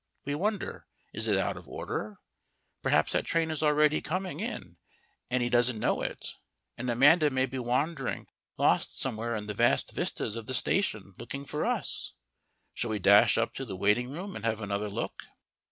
We wonder, is it out of order? Perhaps that train is already coming in and he doesn't know it, and Amanda may be wandering lost somewhere in the vast vistas of the station looking for us. Shall we dash up to the waiting room and have another look?